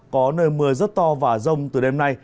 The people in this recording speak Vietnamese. có nơi mưa rất to và rông từ đêm nay